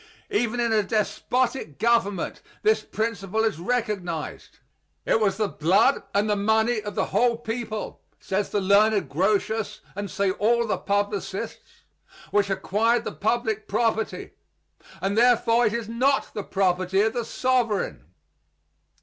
Even in a despotic government this principle is recognized. It was the blood and the money of the whole people (says the learned Grotius, and say all the publicists) which acquired the public property, and therefore it is not the property of the sovereign.